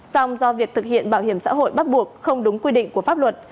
song do việc thực hiện bảo hiểm xã hội bắt buộc không đúng quy định của pháp luật